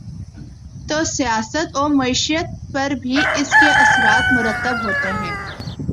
تو سیاست ومعیشت پر بھی اس کے اثرات مرتب ہوتے ہیں۔